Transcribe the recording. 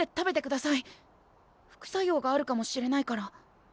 副作用があるかもしれないから。